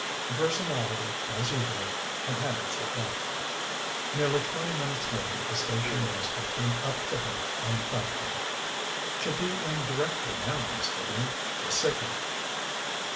Her personality, as usual, had had its effect. Nearly twenty minutes later the station master came up to her on the platform. "She'll be in directly now, Miss Vivian. Just signalled."